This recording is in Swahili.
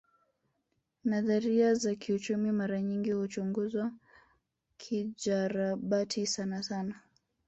Nadharia za kiuchumi mara nyingi huchunguzwa kijarabati sanasana